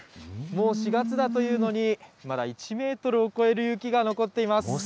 もう４月だというのに、まだ１メートルを超える雪が残っています。